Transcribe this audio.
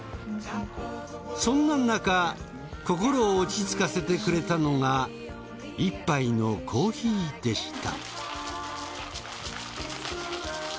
そんななか心を落ち着かせてくれたのが１杯のコーヒーでした。